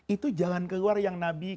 itu jalan keluar yang nabi